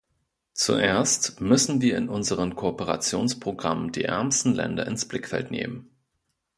Zuerst müssen wir in unseren Kooperationsprogrammen die ärmsten Länder ins Blickfeld nehmen.